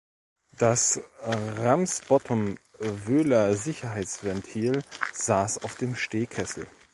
Das Ramsbottom-Wöhler-Sicherheitsventil saß auf dem Stehkessel.